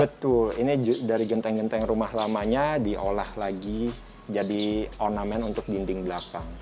betul ini dari genteng genteng rumah lamanya diolah lagi jadi ornamen untuk dinding belakang